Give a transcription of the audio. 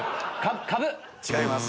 違います。